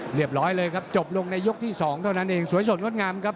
เรียบร้อยเลยครับจบลงในยกที่สองเท่านั้นเองสวยสดงดงามครับ